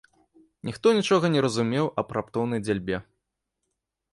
Ніхто нічога не разумеў аб раптоўнай дзяльбе.